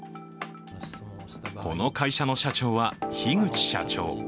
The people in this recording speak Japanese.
この会社の社長は樋口社長。